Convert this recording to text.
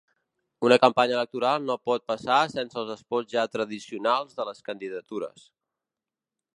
Una campanya electoral no pot passar sense els espots ja tradicionals de les candidatures.